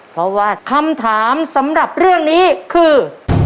เพราะว่าคำถามสำหรับเรื่องนี้คือ